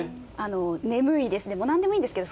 眠いですでもなんでもいいんですけど。